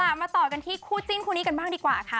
มาต่อกันที่คู่จิ้นคู่นี้กันบ้างดีกว่าค่ะ